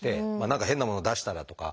何か変なものを出したらとか。